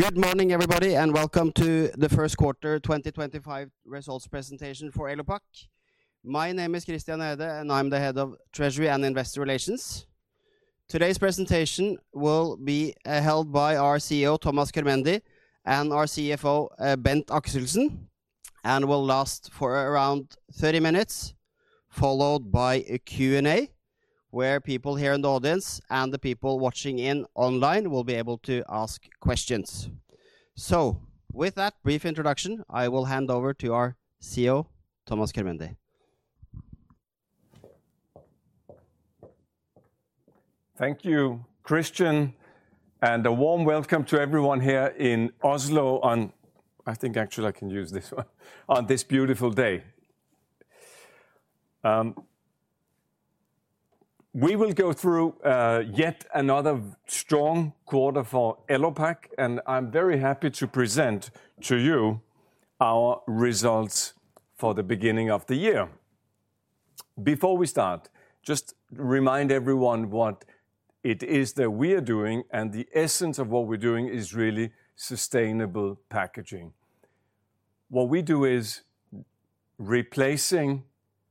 Good morning, everybody, and welcome to the first quarter 2025 results presentation for Elopak. My name is Christian Gjerde, and I'm the Head of Treasury and Investor Relations. Today's presentation will be held by our CEO, Thomas Körmendi, and our CFO, Bent Axelsen, and will last for around 30 minutes, followed by a Q&A where people here in the audience and the people watching online will be able to ask questions. With that brief introduction, I will hand over to our CEO, Thomas Körmendi. Thank you, Christian, and a warm welcome to everyone here in Oslo on, I think actually I can use this one, on this beautiful day. We will go through yet another strong quarter for Elopak, and I'm very happy to present to you our results for the beginning of the year. Before we start, just remind everyone what it is that we are doing, and the essence of what we're doing is really sustainable packaging. What we do is replacing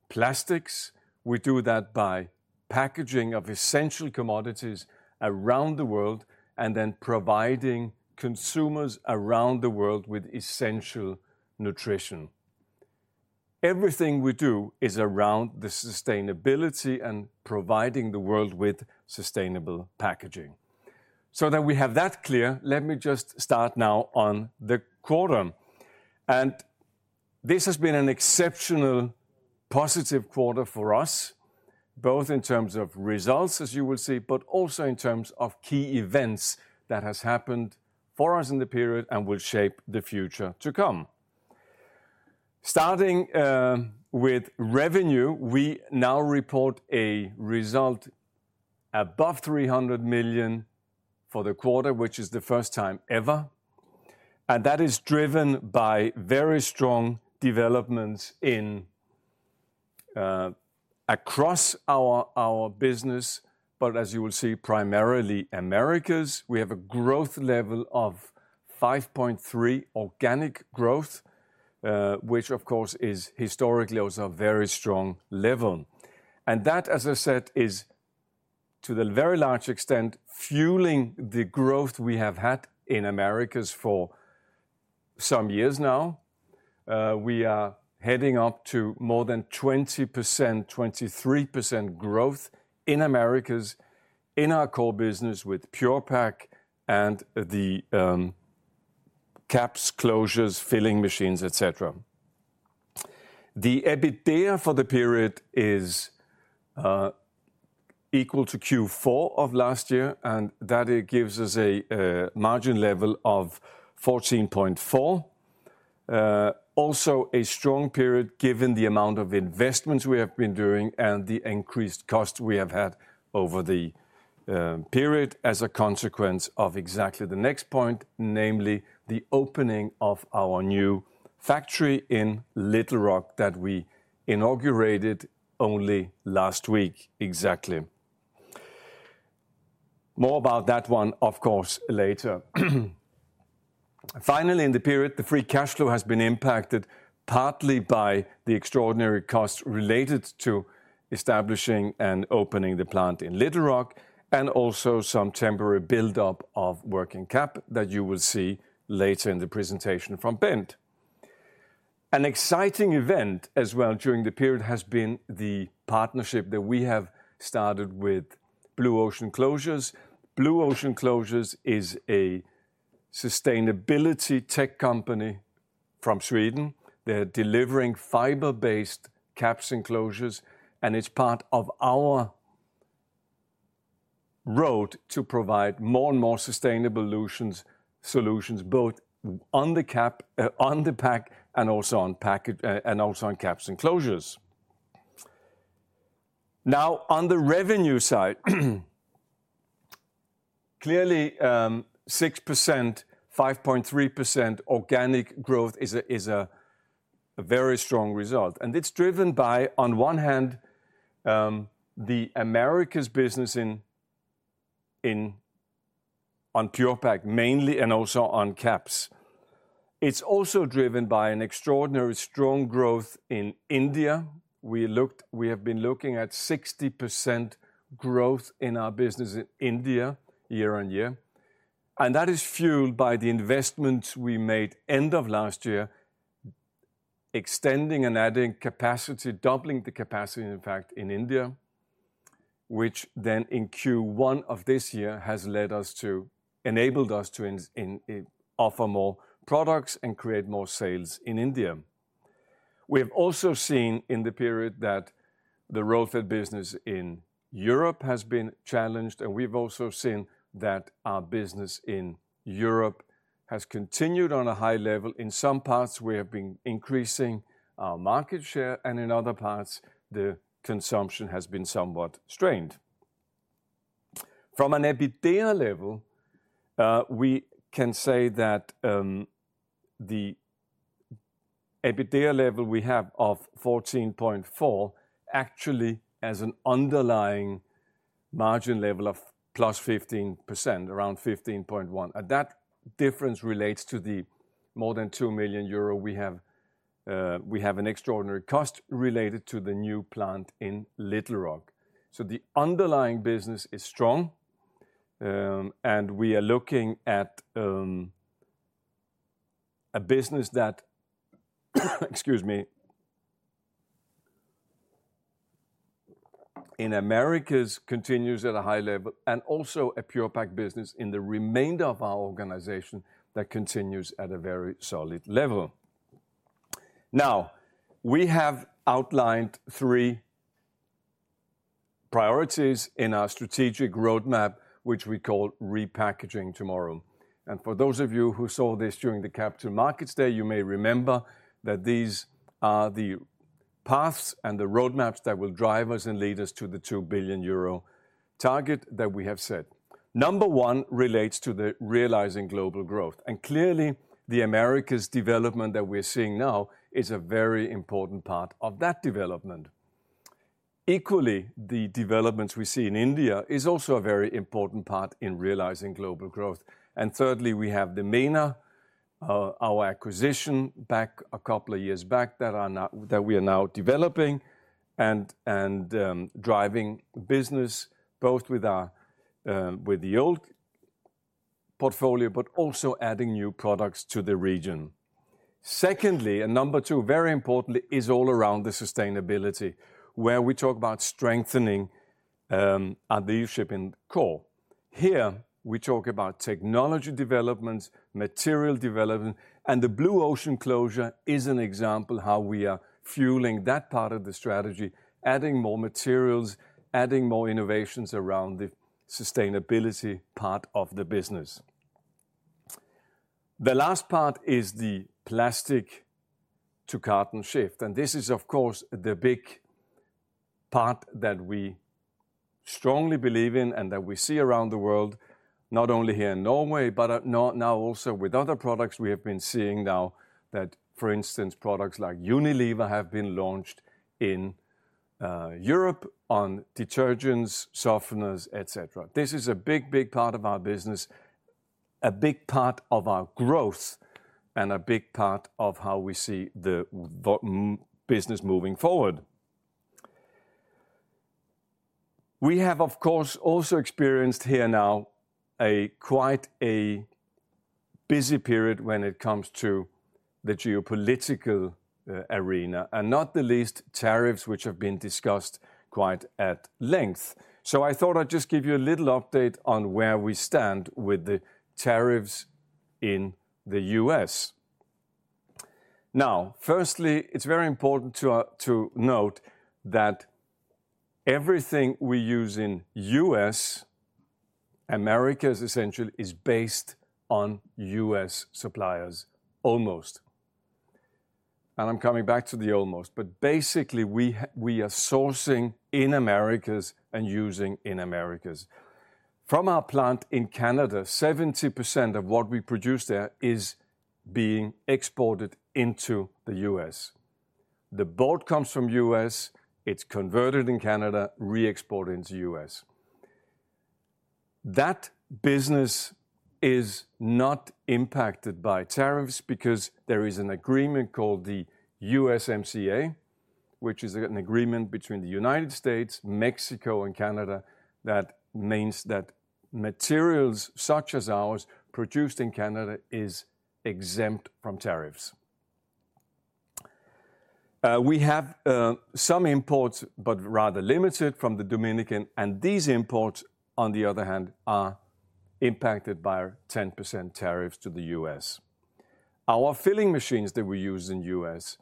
plastics; we do that by packaging of essential commodities around the world and then providing consumers around the world with essential nutrition. Everything we do is around the sustainability and providing the world with sustainable packaging. So that we have that clear, let me just start now on the quarter. This has been an exceptional positive quarter for us, both in terms of results, as you will see, but also in terms of key events that have happened for us in the period and will shape the future to come. Starting with revenue, we now report a result above 300 million for the quarter, which is the first time ever. That is driven by very strong developments across our business, but as you will see, primarily Americas. We have a growth level of 5.3% organic growth, which of course is historically also a very strong level. That, as I said, is to a very large extent fueling the growth we have had in Americas for some years now. We are heading up to more than 20%-23% growth in Americas in our core business with Pure-Pak and the caps, closures, filling machines, etc. The EBITDA for the period is equal to Q4 of last year, and that gives us a margin level of 14.4%. Also, a strong period given the amount of investments we have been doing and the increased costs we have had over the period as a consequence of exactly the next point, namely the opening of our new factory in Little Rock that we inaugurated only last week exactly. More about that one, of course, later. Finally, in the period, the free cash flow has been impacted partly by the extraordinary costs related to establishing and opening the plant in Little Rock and also some temporary buildup of working cap that you will see later in the presentation from Bent. An exciting event as well during the period has been the partnership that we have started with Blue Ocean Closures. Blue Ocean Closures is a sustainability tech company from Sweden. They're delivering fiber-based caps and closures, and it's part of our road to provide more and more sustainable solutions, both on the cap, on the pack, and also on caps and closures. Now, on the revenue side, clearly 6%, 5.3% organic growth is a very strong result. It's driven by, on one hand, the Americas business in PurePak mainly and also on caps. It's also driven by an extraordinary strong growth in India. We have been looking at 60% growth in our business in India year-on-year. That is fueled by the investments we made end of last year, extending and adding capacity, doubling the capacity, in fact, in India, which then in Q1 of this year has led us to, enabled us to offer more products and create more sales in India. We have also seen in the period that the growth of business in Europe has been challenged, and we have also seen that our business in Europe has continued on a high level. In some parts, we have been increasing our market share, and in other parts, the consumption has been somewhat strained. From an EBITDA level, we can say that the EBITDA level we have of 14.4 actually has an underlying margin level of +15%, around 15.1%. That difference relates to the more than 2 million euro we have in extraordinary cost related to the new plant in Little Rock. The underlying business is strong, and we are looking at a business that, excuse me, in Americas continues at a high level, and also a PurePak business in the remainder of our organization that continues at a very solid level. Now, we have outlined three priorities in our strategic roadmap, which we call Repackaging Tomorrow. For those of you who saw this during the Capital Markets Day, you may remember that these are the paths and the roadmaps that will drive us and lead us to the 2 billion euro target that we have set. Number one relates to realizing global growth. Clearly, the Americas development that we're seeing now is a very important part of that development. Equally, the developments we see in India are also a very important part in realizing global growth. Thirdly, we have the EMEA, our acquisition back a couple of years back that we are now developing and driving business both with the old portfolio, but also adding new products to the region. Secondly, and number two, very importantly, is all around the sustainability, where we talk about strengthening our leadership in core. Here, we talk about technology developments, material development, and the Blue Ocean Closures is an example of how we are fueling that part of the strategy, adding more materials, adding more innovations around the sustainability part of the business. The last part is the plastic-to-carton shift. This is, of course, the big part that we strongly believe in and that we see around the world, not only here in Norway, but now also with other products. We have been seeing now that, for instance, products like Unilever have been launched in Europe on detergents, softeners, etc. This is a big, big part of our business, a big part of our growth, and a big part of how we see the business moving forward. We have, of course, also experienced here now quite a busy period when it comes to the geopolitical arena, and not the least, tariffs, which have been discussed quite at length. I thought I'd just give you a little update on where we stand with the tariffs in the U.S. Firstly, it's very important to note that everything we use in the U.S., Americas essentially, is based on U.S. suppliers, almost. I'm coming back to the almost, but basically, we are sourcing in Americas and using in Americas. From our plant in Canada, 70% of what we produce there is being exported into the U.S. The bulk comes from the U.S., it's converted in Canada, re-exported into the U.S. That business is not impacted by tariffs because there is an agreement called the USMCA, which is an agreement between the United States, Mexico, and Canada that means that materials such as ours produced in Canada are exempt from tariffs. We have some imports, but rather limited, from the Dominican, and these imports, on the other hand, are impacted by our 10% tariffs to the U.S. Our filling machines that we use in the U.S.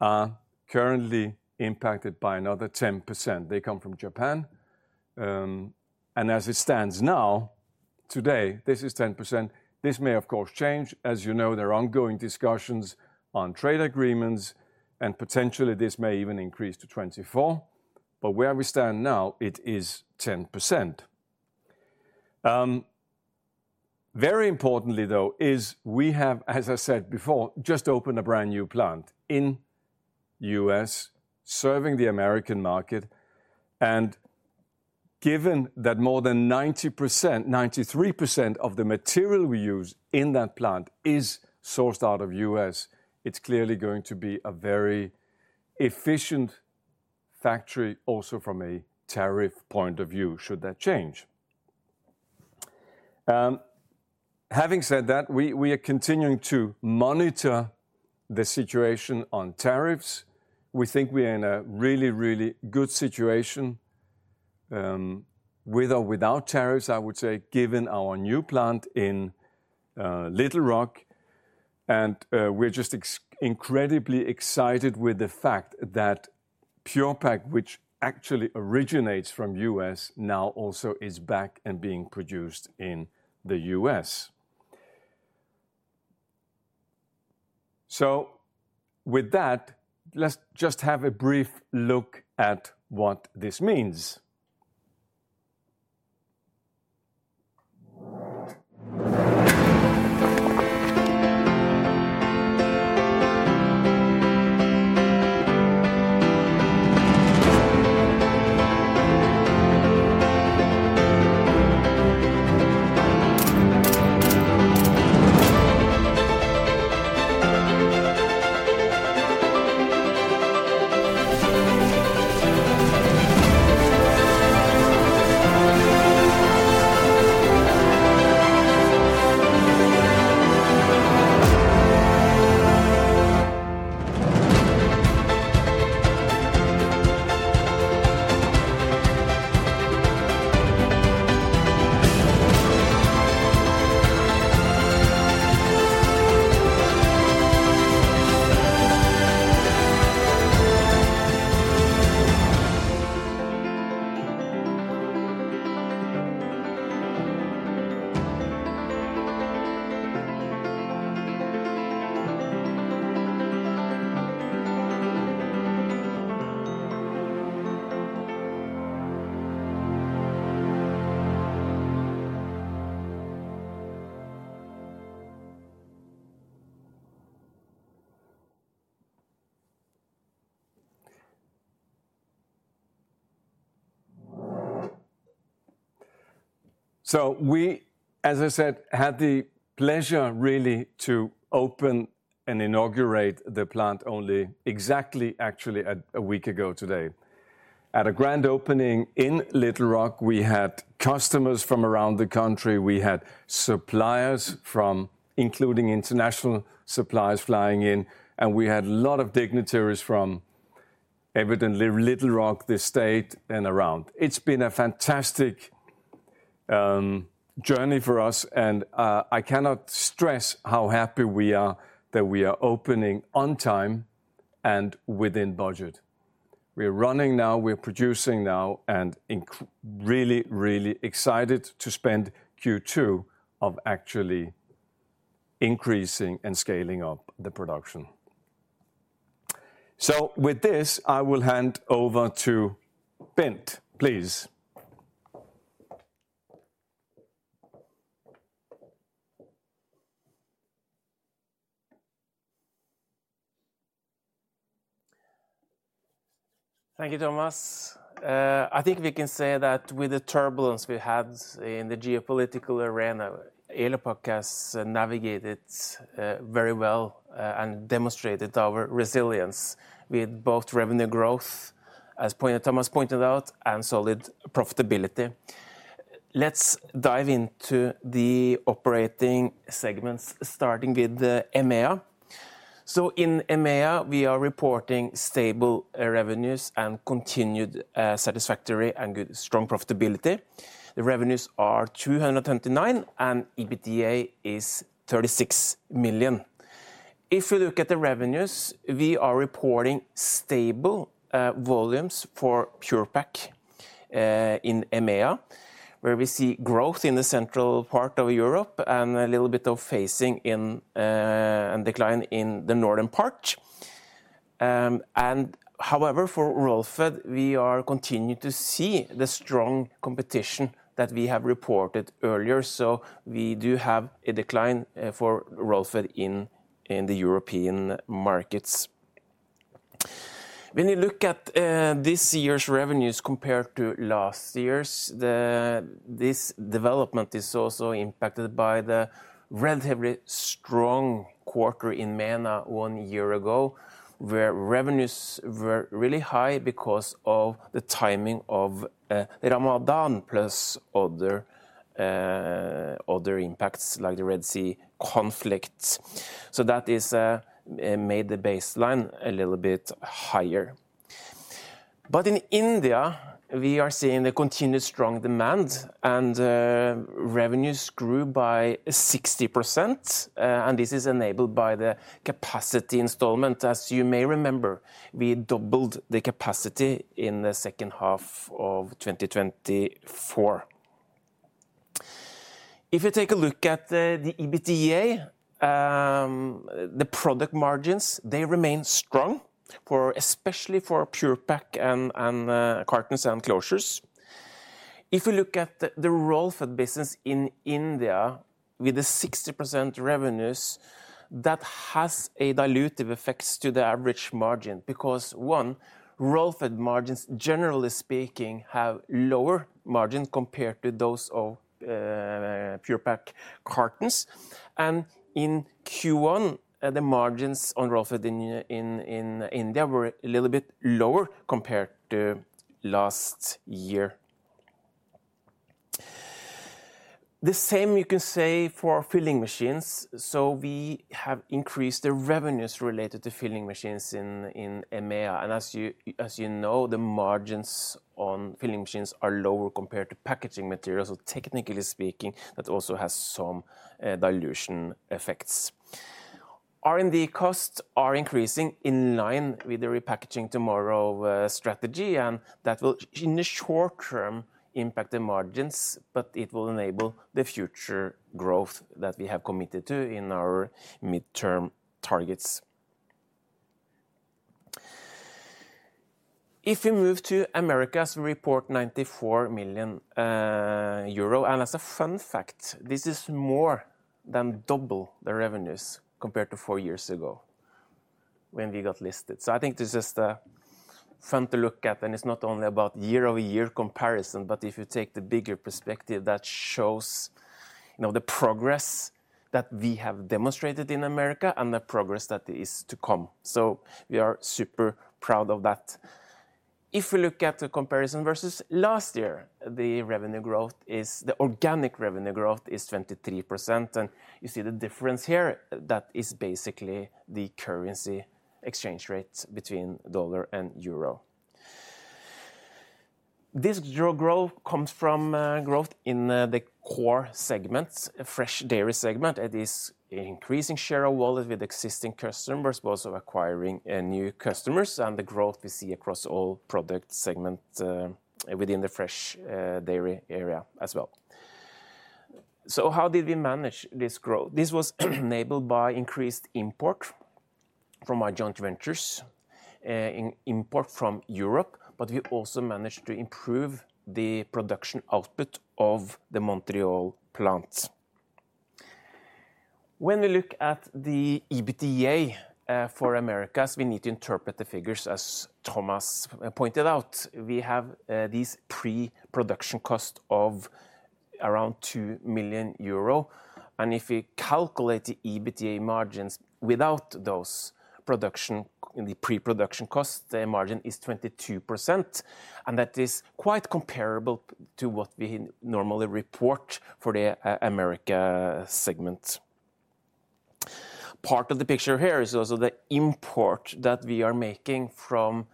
are currently impacted by another 10%. They come from Japan. As it stands now, today, this is 10%. This may, of course, change. As you know, there are ongoing discussions on trade agreements, and potentially this may even increase to 24%. Where we stand now, it is 10%. Very importantly, though, is we have, as I said before, just opened a brand new plant in the U.S. serving the American market. Given that more than 90%, 93% of the material we use in that plant is sourced out of the U.S., it is clearly going to be a very efficient factory also from a tariff point of view should that change. Having said that, we are continuing to monitor the situation on tariffs. We think we are in a really, really good situation with or without tariffs, I would say, given our new plant in Little Rock. We are just incredibly excited with the fact that Pure-Pak, which actually originates from the U.S., now also is back and being produced in the U.S. With that, let's just have a brief look at what this means. As I said, we had the pleasure really to open and inaugurate the plant only exactly, actually, a week ago today. At a grand opening in Little Rock, we had customers from around the country. We had suppliers from, including international suppliers flying in, and we had a lot of dignitaries from evidently Little Rock, the state, and around. It's been a fantastic journey for us, and I cannot stress how happy we are that we are opening on time and within budget. We are running now, we are producing now, and really, really excited to spend Q2 of actually increasing and scaling up the production. With this, I will hand over to Bent, please. Thank you, Thomas. I think we can say that with the turbulence we had in the geopolitical arena, Elopak has navigated very well and demonstrated our resilience with both revenue growth, as Thomas pointed out, and solid profitability. Let's dive into the operating segments, starting with EMEA. In EMEA, we are reporting stable revenues and continued satisfactory and good strong profitability. The revenues are 229 million, and EBITDA is 36 million. If we look at the revenues, we are reporting stable volumes for Pure-Pak in EMEA, where we see growth in the central part of Europe and a little bit of phasing in and decline in the northern part. However, for Rollfed, we are continuing to see the strong competition that we have reported earlier. We do have a decline for Rollfed in the European markets. When you look at this year's revenues compared to last year's, this development is also impacted by the relatively strong quarter in EMEA one year ago, where revenues were really high because of the timing of Ramadan plus other impacts like the Red Sea conflict. That has made the baseline a little bit higher. In India, we are seeing the continued strong demand, and revenues grew by 60%. This is enabled by the capacity installment. As you may remember, we doubled the capacity in the second half of 2024. If you take a look at the EBITDA, the product margins, they remain strong, especially for Pure-Pak and cartons and closures. If you look at the Rollfed business in India with the 60% revenues, that has a dilutive effect to the average margin because, one, Rollfed margins, generally speaking, have lower margins compared to those of Pure-Pak cartons. In Q1, the margins on Rollfed in India were a little bit lower compared to last year. The same you can say for filling machines. We have increased the revenues related to filling machines in EMEA. As you know, the margins on filling machines are lower compared to packaging materials. Technically speaking, that also has some dilution FX. R&D costs are increasing in line with the repackaging tomorrow strategy, and that will, in the short term, impact the margins, but it will enable the future growth that we have committed to in our midterm targets. If we move to Americas, we report 94 million euro. As a fun fact, this is more than double the revenues compared to four years ago when we got listed. I think this is just fun to look at, and it is not only about year-over-year comparison, but if you take the bigger perspective, that shows the progress that we have demonstrated in Americas and the progress that is to come. We are super proud of that. If we look at the comparison versus last year, the revenue growth is, the organic revenue growth is 23%. You see the difference here. That is basically the currency exchange rate between dollar and euro. This growth comes from growth in the core segments, fresh dairy segment. It is an increasing share of wallet with existing customers, but also acquiring new customers and the growth we see across all product segments within the fresh dairy area as well. How did we manage this growth? This was enabled by increased import from our joint ventures, import from Europe, but we also managed to improve the production output of the Montreal plant. When we look at the EBITDA for Americas, we need to interpret the figures as Thomas pointed out. We have these pre-production costs of around 2 million euro. If we calculate the EBITDA margins without those pre-production costs, the margin is 22%. That is quite comparable to what we normally report for the Americas segment. Part of the picture here is also the import that we are making from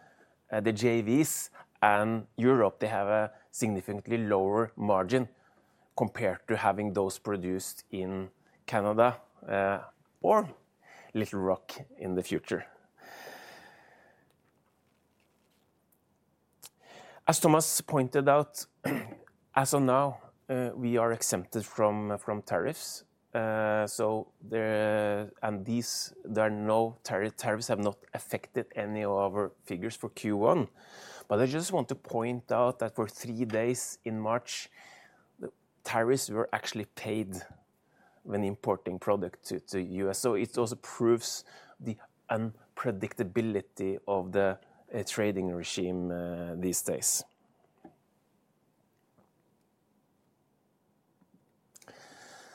the JVs and Europe. They have a significantly lower margin compared to having those produced in Canada or Little Rock in the future. As Thomas pointed out, as of now, we are exempted from tariffs. There are no tariffs, have not affected any of our figures for Q1. I just want to point out that for three days in March, the tariffs were actually paid when importing products to the U.S. It also proves the unpredictability of the trading regime these days.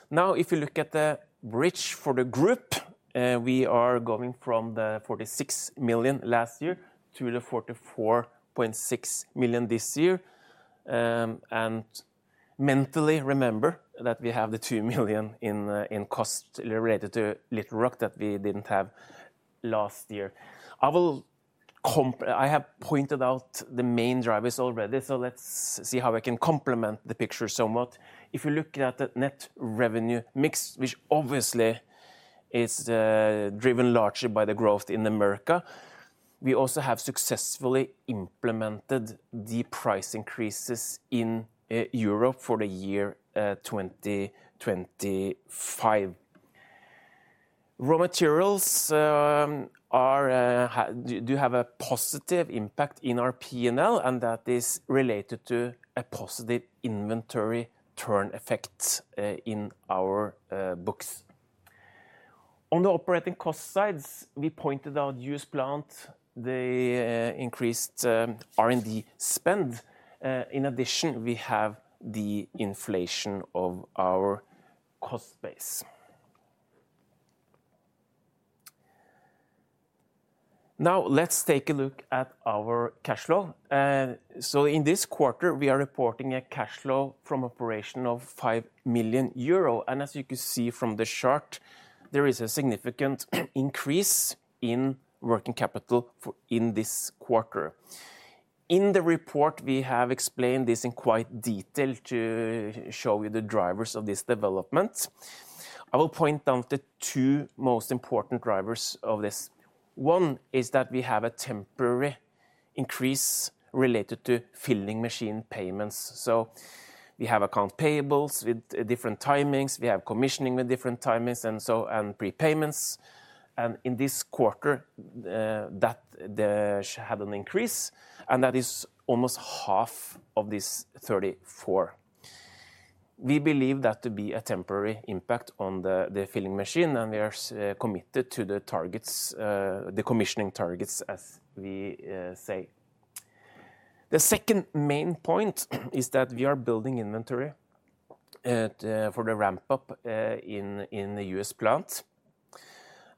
Now, if you look at the reach for the group, we are going from the $46 million last year to the $44.6 million this year. Mentally remember that we have the $2 million in cost related to Little Rock that we did not have last year. I have pointed out the main drivers already, so let's see how I can complement the picture somewhat. If you look at the net revenue mix, which obviously is driven largely by the growth in Americas, we also have successfully implemented the price increases in Europe for the year 2025. Raw materials do have a positive impact in our P&L, and that is related to a positive inventory turn effect in our books. On the operating cost side, we pointed out the U.S. plant, the increased R&D spend. In addition, we have the inflation of our cost base. Now, let's take a look at our cash flow. In this quarter, we are reporting a cash flow from operations of 5 million euro. As you can see from the chart, there is a significant increase in working capital in this quarter. In the report, we have explained this in quite detail to show you the drivers of this development. I will point down to two most important drivers of this. One is that we have a temporary increase related to filling machine payments. We have account payables with different timings. We have commissioning with different timings and prepayments. In this quarter, that had an increase, and that is almost half of this 34. We believe that to be a temporary impact on the filling machine, and we are committed to the targets, the commissioning targets as we say. The second main point is that we are building inventory for the ramp-up in the U.S. plant.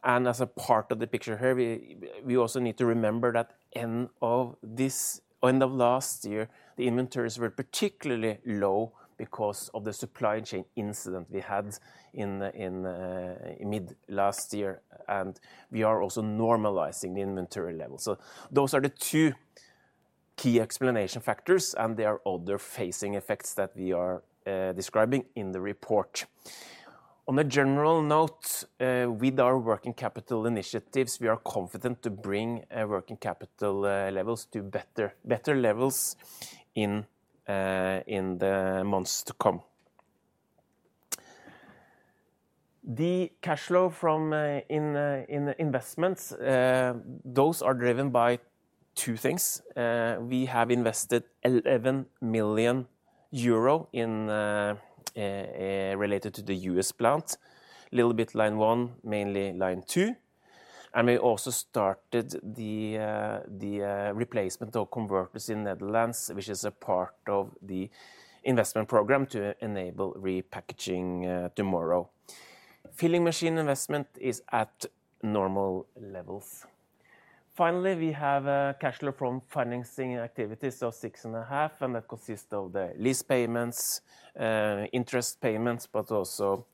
As a part of the picture here, we also need to remember that end of last year, the inventories were particularly low because of the supply chain incident we had in mid last year. We are also normalizing the inventory level. Those are the two key explanation factors, and there are other phasing effects that we are describing in the report. On a general note, with our working capital initiatives, we are confident to bring working capital levels to better levels in the months to come. The cash flow from investments, those are driven by two things. We have invested 11 million euro related to the U.S. plant. A little bit line one, mainly line two. We also started the replacement of converters in the Netherlands, which is a part of the investment program to enable repackaging tomorrow. Filling machine investment is at normal levels. Finally, we have cash flow from financing activities, so six and a half, and that consists of the lease payments, interest payments, but also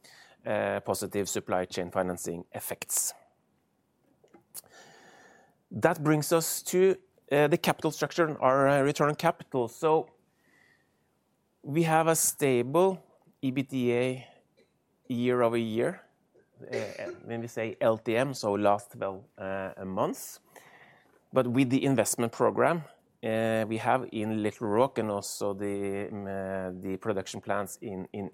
positive supply chain financing effects. That brings us to the capital structure, our return capital. We have a stable EBITDA year-over-year. When we say LTM, so last 12 months. With the investment program we have in Little Rock and also the production plants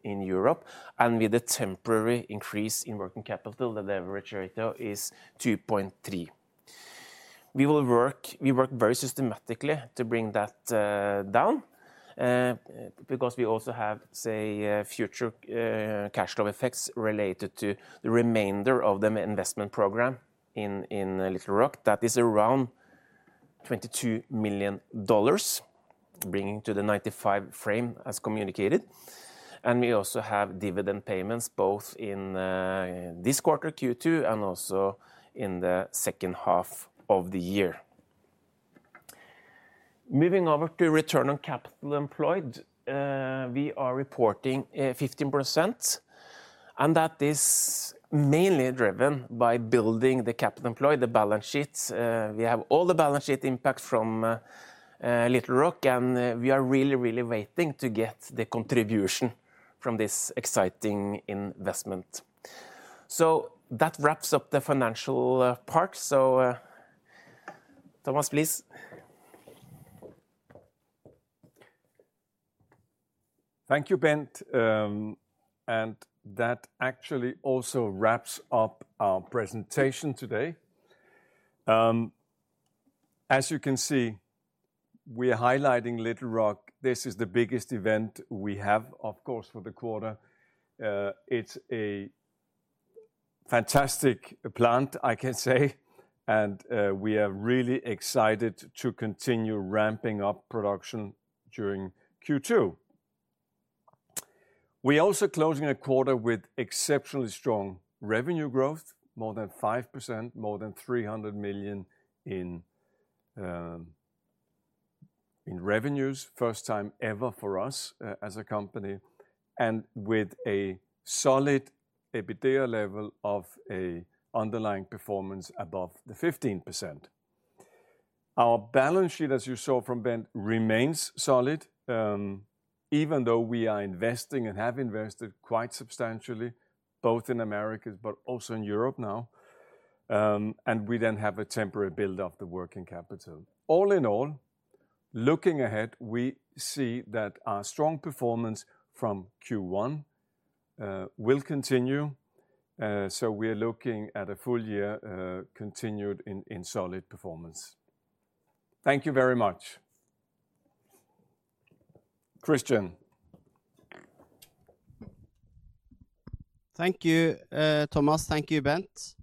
in Europe, and with the temporary increase in working capital, the leverage rate is 2.3. We work very systematically to bring that down because we also have, say, future cash flow effects related to the remainder of the investment program in Little Rock. That is around $22 million, bringing to the 95 frame as communicated. We also have dividend payments both in this quarter, Q2, and also in the second half of the year. Moving over to return on capital employed, we are reporting 15%, and that is mainly driven by building the capital employed, the balance sheet. We have all the balance sheet impact from Little Rock, and we are really, really waiting to get the contribution from this exciting investment. That wraps up the financial part. Thomas, please. Thank you, Bent. That actually also wraps up our presentation today. As you can see, we are highlighting Little Rock. This is the biggest event we have, of course, for the quarter. It is a fantastic plant, I can say. We are really excited to continue ramping up production during Q2. We are also closing a quarter with exceptionally strong revenue growth, more than 5%, more than $300 million in revenues, first time ever for us as a company, and with a solid EBITDA level of an underlying performance above the 15%. Our balance sheet, as you saw from Bent, remains solid, even though we are investing and have invested quite substantially, both in Americas, but also in Europe now. We then have a temporary build-up of the working capital. All in all, looking ahead, we see that our strong performance from Q1 will continue. We are looking at a full year continued in solid performance. Thank you very much. Christian. Thank you, Thomas. Thank you, Bent.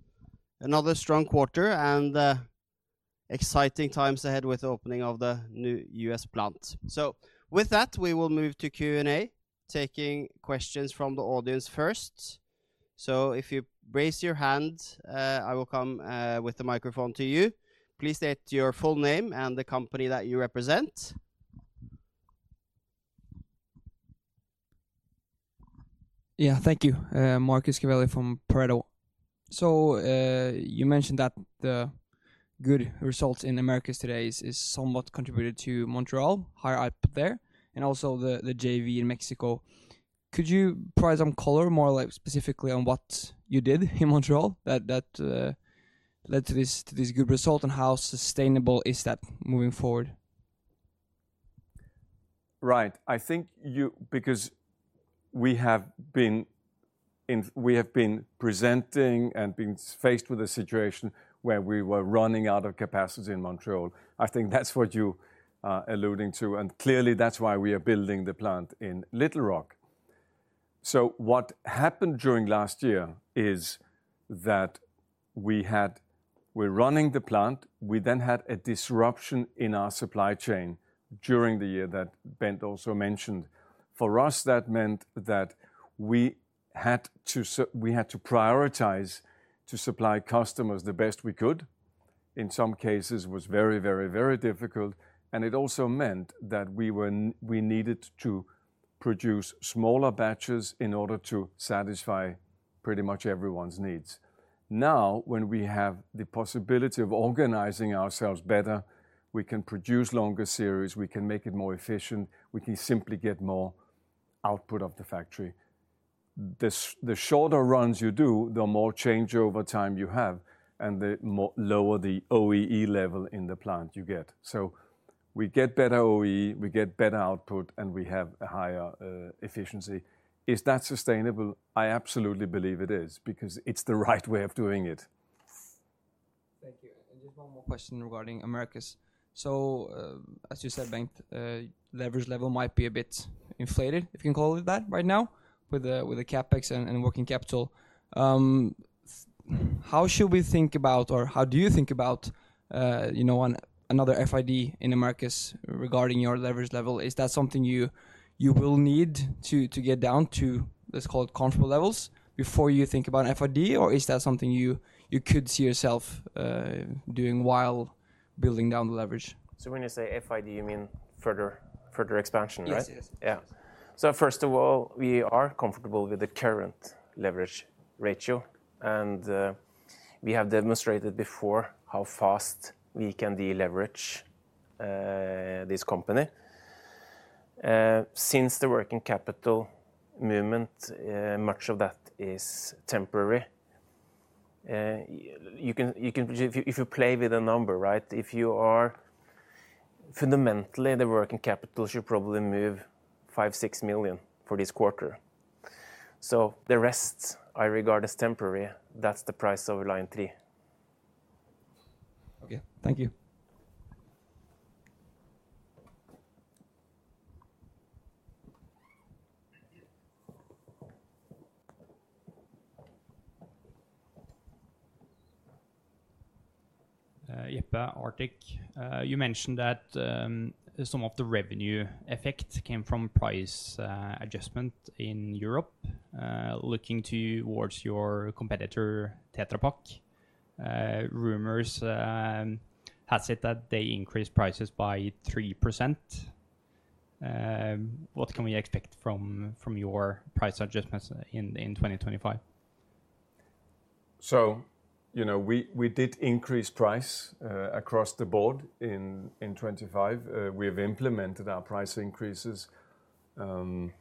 Another strong quarter and exciting times ahead with the opening of the new US plant. With that, we will move to Q&A, taking questions from the audience first. If you raise your hand, I will come with the microphone to you. Please state your full name and the company that you represent. Yeah, thank you. Marcus Gabelli from Pareto. You mentioned that the good results in Americas today is somewhat contributed to Montreal, higher up there, and also the JV in Mexico. Could you provide some color, more like specifically on what you did in Montreal that led to this good result and how sustainable is that moving forward? Right. I think you, because we have been presenting and been faced with a situation where we were running out of capacity in Montreal. I think that's what you are alluding to. Clearly, that's why we are building the plant in Little Rock. What happened during last year is that we were running the plant. We then had a disruption in our supply chain during the year that Bent also mentioned. For us, that meant that we had to prioritize to supply customers the best we could. In some cases, it was very, very difficult. It also meant that we needed to produce smaller batches in order to satisfy pretty much everyone's needs. Now, when we have the possibility of organizing ourselves better, we can produce longer series. We can make it more efficient. We can simply get more output of the factory. The shorter runs you do, the more changeover time you have, and the lower the OEE level in the plant you get. We get better OEE, we get better output, and we have a higher efficiency. Is that sustainable? I absolutely believe it is because it's the right way of doing it. Thank you. Just one more question regarding Americas. As you said, Bent, leverage level might be a bit inflated, if you can call it that right now, with the CapEx and working capital. How should we think about, or how do you think about, you know, another FID in Americas regarding your leverage level? Is that something you will need to get down to, let's call it comfortable levels before you think about an FID, or is that something you could see yourself doing while building down the leverage? When you say FID, you mean further expansion, right? Yes, yes. First of all, we are comfortable with the current leverage ratio. We have demonstrated before how fast we can deleverage this company. Since the working capital movement, much of that is temporary. You can if you play with a number, right? If you are fundamentally, the working capital should probably move Euro 5 million-EUR 6million for this quarter. The rest I regard as temporary. That is the price over line three. Okay. Thank you. Yipa. Arctic, you mentioned that some of the revenue effect came from price adjustment in Europe, looking towards your competitor, Tetra Pak. Rumors had said that they increased prices by 3%. What can we expect from your price adjustments in 2025? You know, we did increase price across the board in 2025. We have implemented our price increases. I am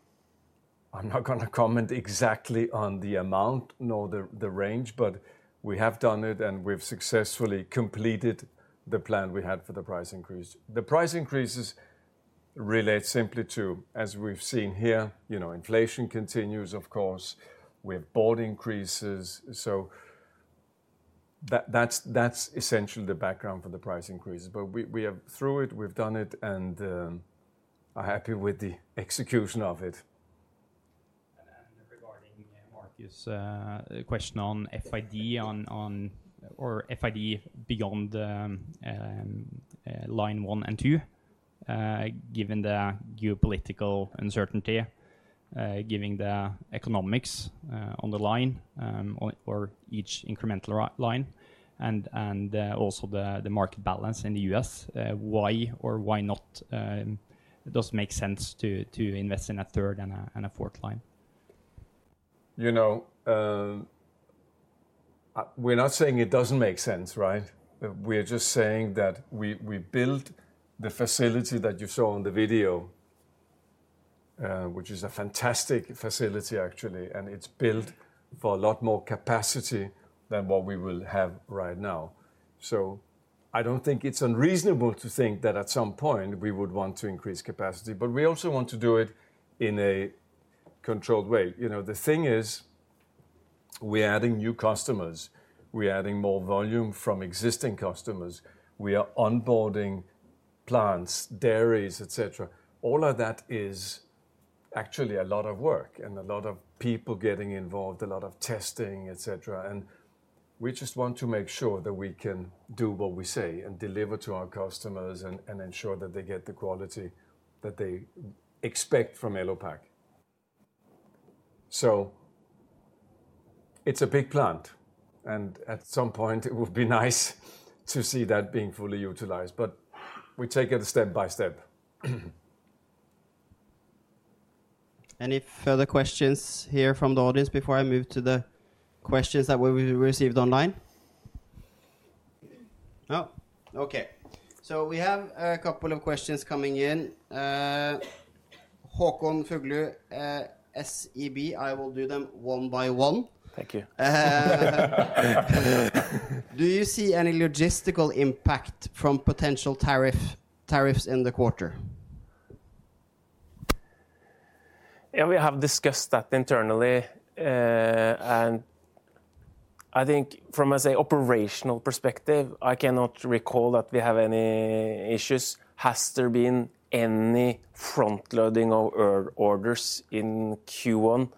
not going to comment exactly on the amount, nor the range, but we have done it, and we have successfully completed the plan we had for the price increase. The price increases relate simply to, as we have seen here, you know, inflation continues, of course, with board increases. That is essentially the background for the price increases. We have through it, we've done it, and are happy with the execution of it. Regarding Marcus' question on FID, on or FID beyond line one and two, given the geopolitical uncertainty, given the economics on the line or each incremental line, and also the market balance in the U.S., why or why not does it make sense to invest in a third and a fourth line? You know, we're not saying it doesn't make sense, right? We're just saying that we built the facility that you saw in the video, which is a fantastic facility, actually. It is built for a lot more capacity than what we will have right now. I don't think it's unreasonable to think that at some point we would want to increase capacity, but we also want to do it in a controlled way. You know, the thing is we're adding new customers. We're adding more volume from existing customers. We are onboarding plants, dairies, et cetera. All of that is actually a lot of work and a lot of people getting involved, a lot of testing, et cetera. We just want to make sure that we can do what we say and deliver to our customers and ensure that they get the quality that they expect from Elopak. It is a big plant. At some point, it would be nice to see that being fully utilized, but we take it step by step. Any further questions here from the audience before I move to the questions that we received online? Oh, okay. We have a couple of questions coming in. Håkon Fuglu, SEB, I will do them one by one. Thank you. Do you see any logistical impact from potential tariffs in the quarter? Yeah, we have discussed that internally. I think from an operational perspective, I cannot recall that we have any issues. Has there been any front-loading of orders in Q1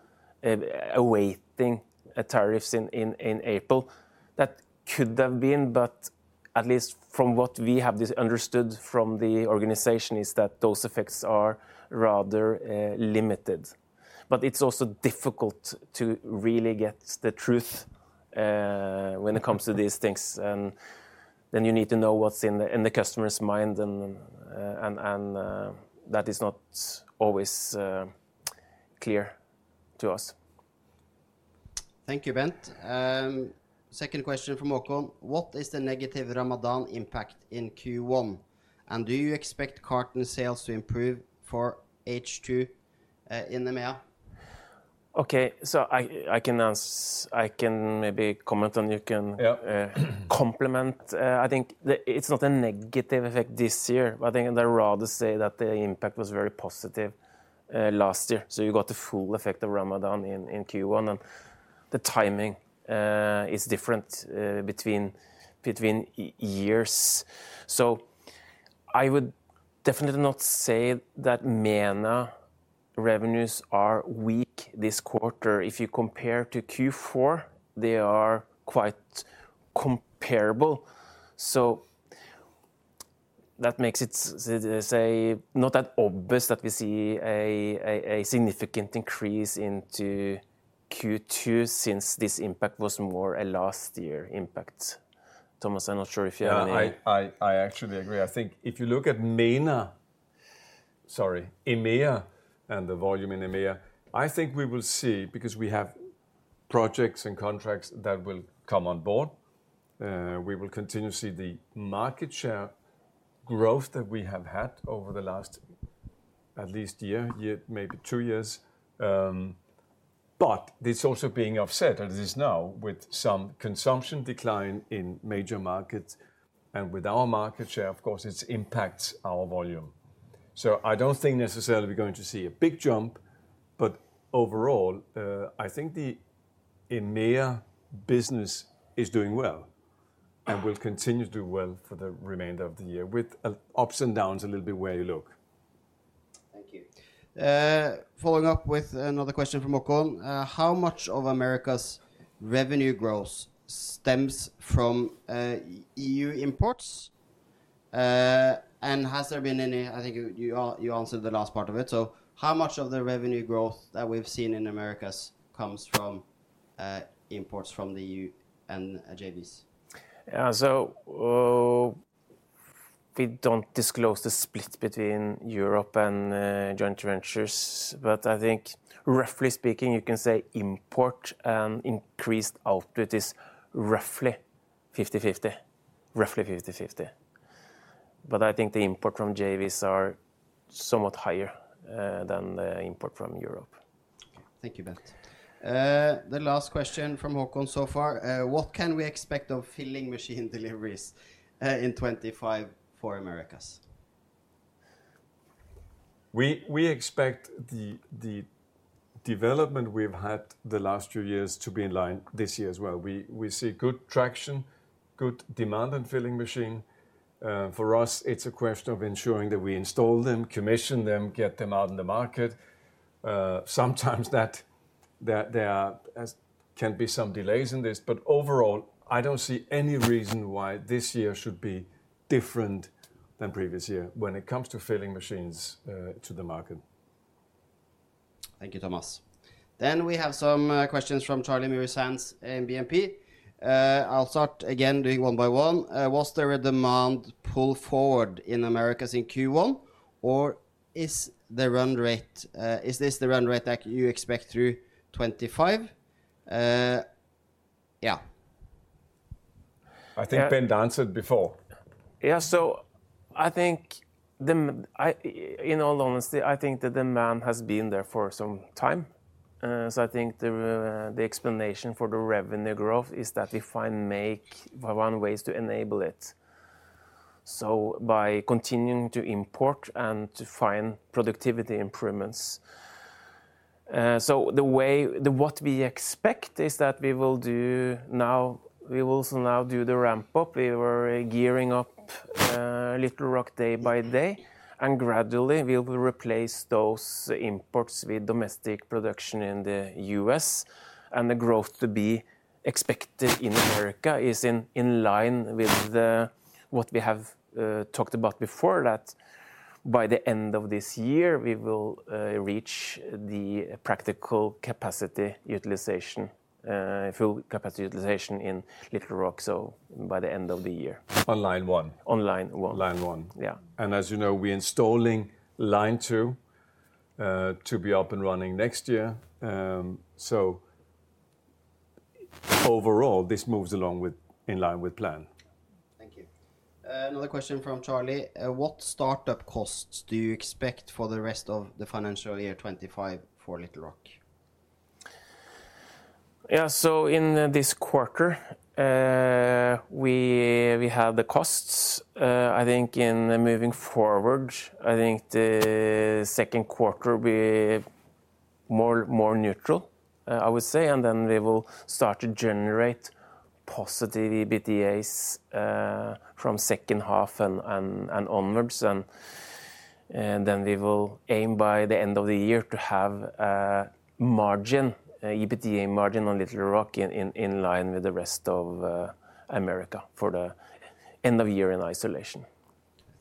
awaiting tariffs in April? That could have been, but at least from what we have understood from the organization is that those effects are rather limited. It is also difficult to really get the truth when it comes to these things. You need to know what is in the customer's mind, and that is not always clear to us. Thank you, Bent. Second question from Håkon. What is the negative Ramadan impact in Q1? Do you expect carton sales to improve for H2 in EMEA? Okay, I can answer, I can maybe comment, and you can complement. I think it's not a negative effect this year. I think I'd rather say that the impact was very positive last year. You got the full effect of Ramadan in Q1. The timing is different between years. I would definitely not say that EMEA revenues are weak this quarter. If you compare to Q4, they are quite comparable. That makes it, say, not that obvious that we see a significant increase into Q2 since this impact was more a last-year impact. Thomas, I'm not sure if you have any— No, I actually agree. I think if you look at EMEA, sorry, EMEA and the volume in EMEA, I think we will see, because we have projects and contracts that will come on board, we will continue to see the market share growth that we have had over the last at least year, maybe two years. This is also being offset at this now with some consumption decline in major markets and with our market share, of course, it impacts our volume. I do not think necessarily we are going to see a big jump, but overall, I think the EMEA business is doing well and will continue to do well for the remainder of the year with ups and downs a little bit where you look. Thank you. Following up with another question from Håkon, how much of Americas revenue growth stems from EU imports? Has there been any—I think you answered the last part of it. How much of the revenue growth that we have seen in Americas comes from imports from the EU and JVs? Yeah, so we do not disclose the split between Europe and joint ventures, but I think roughly speaking, you can say import and increased output is roughly 50-50, roughly 50-50. I think the import from JVs are somewhat higher than the import from Europe. Thank you, Bent. The last question from Håkon so far. What can we expect of filling machine deliveries in 2025 for Americas? We expect the development we have had the last few years to be in line this year as well. We see good traction, good demand on filling machine. For us, it is a question of ensuring that we install them, commission them, get them out in the market. Sometimes there can be some delays in this, but overall, I do not see any reason why this year should be different than previous year when it comes to filling machines to the market. Thank you, Thomas. We have some questions from Charlie Murisans in BNP. I'll start again doing one by one. Was there a demand pull forward in Americas in Q1, or is this the run rate that you expect through 2025? Yeah. I think Bent answered before. Yeah, so I think in all honesty, I think the demand has been there for some time. I think the explanation for the revenue growth is that we find, make one, ways to enable it. By continuing to import and to find productivity improvements. What we expect is that we will now do the ramp up. We were gearing up Little Rock day by day, and gradually we will replace those imports with domestic production in the U.S. The growth to be expected in Americas is in line with what we have talked about before, that by the end of this year, we will reach the practical capacity utilization, full capacity utilization in Little Rock. By the end of the year. On line one. Line one. Yeah. As you know, we're installing line two to be up and running next year. Overall, this moves along in line with plan. Thank you. Another question from Charlie. What startup costs do you expect for the rest of the financial year 2025 for Little Rock? In this quarter, we have the costs. I think moving forward, the second quarter will be more neutral, I would say. Then we will start to generate positive EBITDA from second half and onwards. We will aim by the end of the year to have an EBITDA margin on Little Rock in line with the rest of Americas for the end of year in isolation.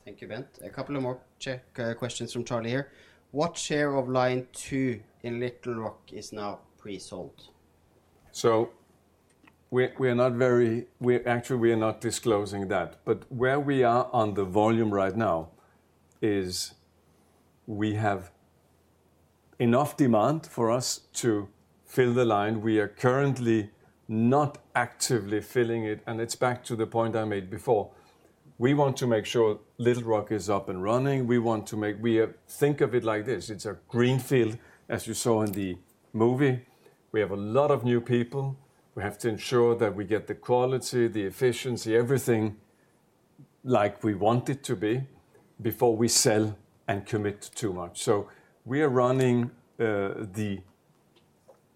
Thank you, Bent. A couple more questions from Charlie here. What share of line two in Little Rock is now pre-sold? We are not disclosing that. Where we are on the volume right now is we have enough demand for us to fill the line. We are currently not actively filling it. It is back to the point I made before. We want to make sure Little Rock is up and running. We think of it like this. It is a greenfield, as you saw in the movie. We have a lot of new people. We have to ensure that we get the quality, the efficiency, everything like we want it to be before we sell and commit too much. We are running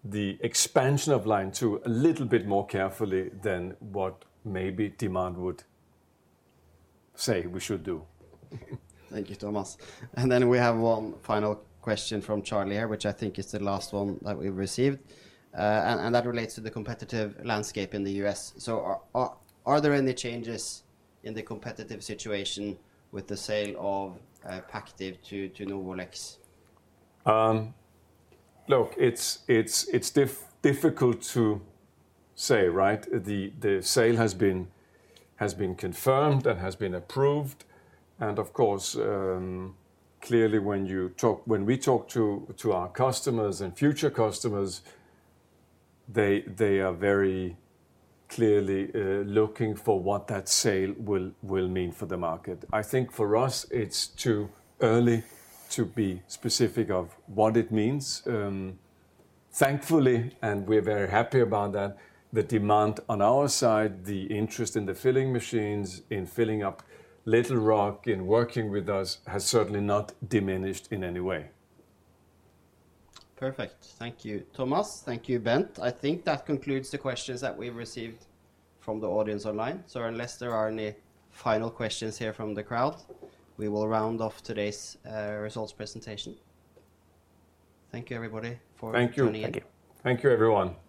the expansion of line two a little bit more carefully than what maybe demand would say we should do. Thank you, Thomas. We have one final question from Charlie here, which I think is the last one that we have received. That relates to the competitive landscape in the U.S. Are there any changes in the competitive situation with the sale of Pactive to Novolex? Look, it is difficult to say, right? The sale has been confirmed and has been approved. Of course, clearly when you talk— when we talk to our customers and future customers, they are very clearly looking for what that sale will mean for the market. I think for us, it's too early to be specific of what it means. Thankfully, and we're very happy about that, the demand on our side, the interest in the filling machines, in filling up Little Rock, in working with us has certainly not diminished in any way. Perfect. Thank you, Thomas. Thank you, Bent. I think that concludes the questions that we've received from the audience online. Unless there are any final questions here from the crowd, we will round off today's results presentation. Thank you, everybody, for joining in. Thank you. Thank you, everyone.